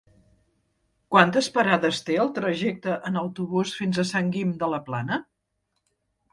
Quantes parades té el trajecte en autobús fins a Sant Guim de la Plana?